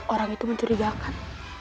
orang itu mencurigakan